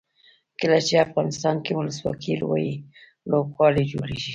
کله چې افغانستان کې ولسواکي وي لوبغالي جوړیږي.